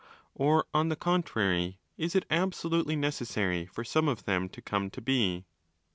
Or, on the contrary, is it absolutely necessary for some of them to come to be?